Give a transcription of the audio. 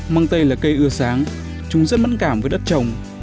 măng tây là cây ưa sáng chúng rất mẫn cảm với đất trồng